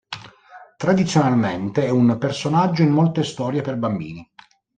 Tradizionalmente è un personaggio in molte storie per bambini.